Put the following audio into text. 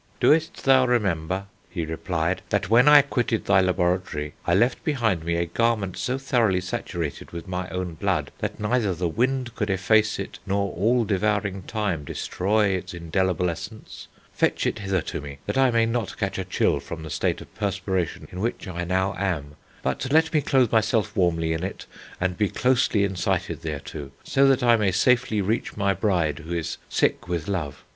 'Dost thou remember,' he replied, that when I quitted thy laboratory, I left behind me a garment so thoroughly saturated with my own blood, that neither the wind could efface it, nor all devouring time destroy its indelible essence? Fetch it hither to me, that I may not catch a chill from the state of perspiration in which I now am; but let me clothe myself warmly in it, and be closely incited thereto, so that I may safely reach my bride, who is sick with love.